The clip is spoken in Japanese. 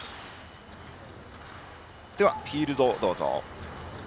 フィールドをどうぞ。